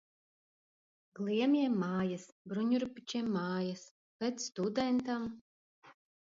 Gliemjiem mājas. Bruņurupučiem mājas. Bet studentam?!..